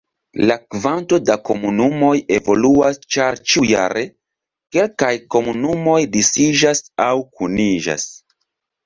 La kvanto da komunumoj evoluas, ĉar ĉiujare, kelkaj komunumoj disiĝas aŭ kuniĝas.